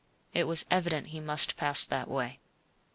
It was evident he must pass that way.